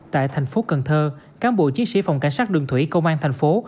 tại thành phố cần thơ cán bộ chiến sĩ phòng cảnh sát đường thủy công an thành phố